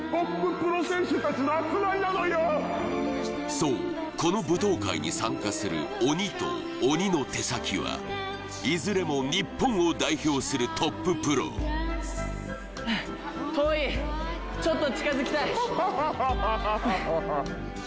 そうこの舞踏会に参加する鬼と鬼の手先はいずれも日本を代表するトッププロ遠いハハハハハ